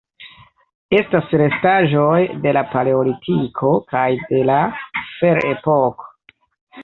Estas restaĵoj de la Paleolitiko kaj de la Ferepoko.